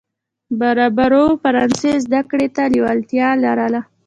بربرو فرانسې زده کړې ته لېوالتیا لرله.